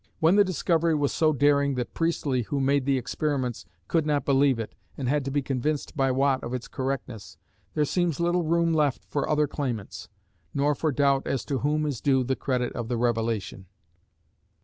When the discovery was so daring that Priestley, who made the experiments, could not believe it and had to be convinced by Watt of its correctness, there seems little room left for other claimants, nor for doubt as to whom is due the credit of the revelation.